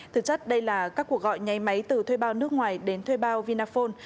thực chất đây là các cuộc gọi nháy máy từ thuê bao nước ngoài đến thuê bao vinaphone